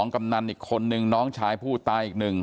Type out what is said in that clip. กำนันอีกคนหนึ่งน้องชายผู้ตายอีก๑